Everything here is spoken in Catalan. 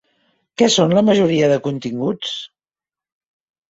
Què són la majoria de continguts?